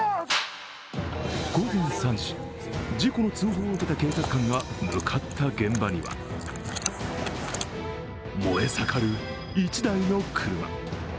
午前３時、事故の通報を受けた警察官が向かった現場には燃え盛る１台の車。